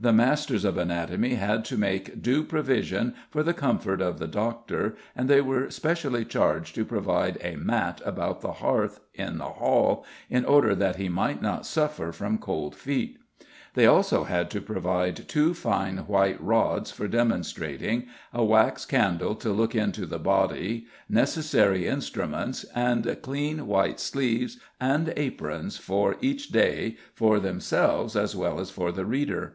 The masters of anatomy had to make due provision for the comfort of the "Dr.," and they were specially charged to provide a "matte about the harthe in the hall," in order that he might not suffer from cold feet. They also had to provide two fine white rods for demonstrating, a wax candle to look into the body, necessary instruments, and clean white sleeves and aprons for each day for themselves as well as for the reader.